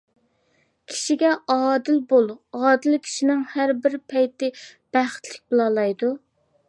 كىشىگە ئادىل بول، ئادىل كىشىنىڭ ھەر بىر پەيتى بەختلىك بولالايدۇ.